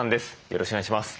よろしくお願いします。